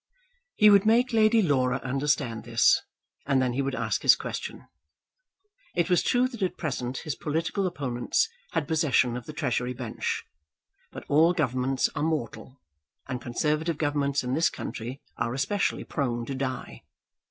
He would make Lady Laura understand this, and then he would ask his question. It was true that at present his political opponents had possession of the Treasury Bench; but all governments are mortal, and Conservative governments in this country are especially prone to die.